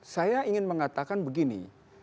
saya ingin mengatakan begini